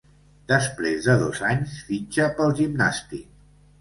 Després de dos anys, fitxa pel Gimnàstic.